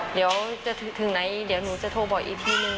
เดี๋ยวจะถึงไหนเดี๋ยวหนูจะโทรบอกอีกทีนึง